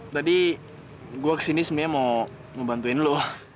tadi gue kesini sebenernya mau bantuin lo